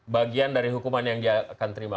bagian dari hukuman yang dia akan terima